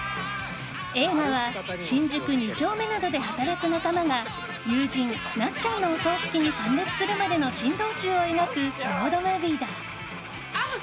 映画は新宿２丁目などで働く仲間が友人友人なっちゃんのお葬式に参列するまでの珍道中を繰り広げるロードムービーだ。